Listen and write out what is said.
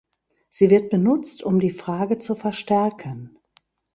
Sie wird benutzt um die Frage zu verstärken.